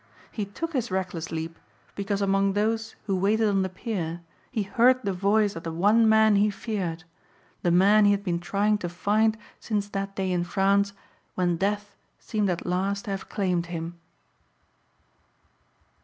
He took his reckless leap because among those who waited on the pier he heard the voice of the one man he feared, the man he had been trying to find since that day in France when death seemed at last to have claimed him.